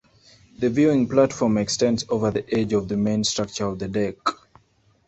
The viewing platform extends over the edge of the main structure of the deck.